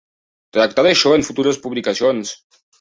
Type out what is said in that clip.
Tractaré això en futures publicacions!